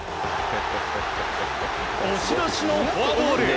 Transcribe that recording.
押し出しのフォアボール。